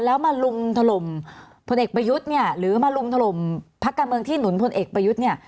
แล้วมาลุมถล่มพลเอกประยุทธ์เนี่ยหรือมาลุมถล่มพักการเมืองที่หนุนพลเอกประยุทธ์เนี่ย